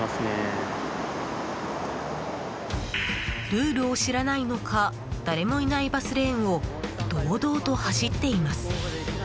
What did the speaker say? ルールを知らないのか誰もいないバスレーンを堂々と走っています。